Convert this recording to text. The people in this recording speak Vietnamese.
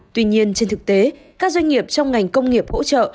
tuy nhiên trên thực tế các doanh nghiệp trong ngành công nghiệp hỗ trợ